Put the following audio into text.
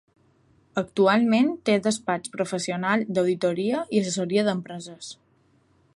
Actualment té despatx professional d'Auditoria i Assessoria d'Empreses.